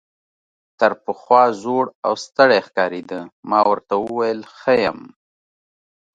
تر پخوا زوړ او ستړی ښکارېده، ما ورته وویل ښه یم.